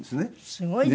すごいですね。